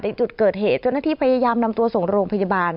จุดเกิดเหตุเจ้าหน้าที่พยายามนำตัวส่งโรงพยาบาล